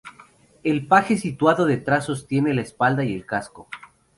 El paje situado detrás sostiene la espada y el casco.